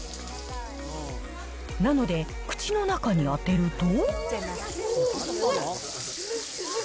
なので、口の中に当てると。